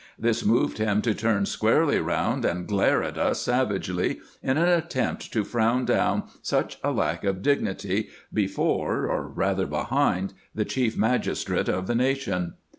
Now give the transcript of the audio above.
This moved him to turn squarely round and glare at us savagely, in an attempt to frown down such a lack of dignity bef ore,,or rather behind, the Chief Magistrate of the nation.